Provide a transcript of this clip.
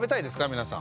皆さん。